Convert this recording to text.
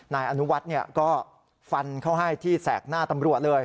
นายอนุวัฒน์ก็ฟันเข้าให้ที่แสกหน้าตำรวจเลย